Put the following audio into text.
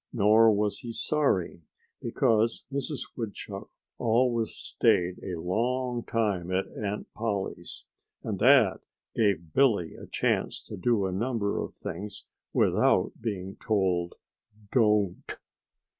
Nor was he sorry, because Mrs. Woodchuck always stayed a long time at Aunt Polly's. And that gave Billy a chance to do a number of things without being told "Don't!"